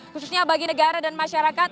khususnya bagi negara dan masyarakat